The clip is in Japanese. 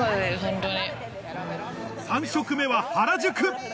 ３食目は原宿